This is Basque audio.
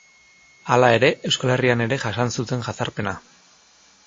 Hala ere, Euskal Herrian ere jasan zuten jazarpena.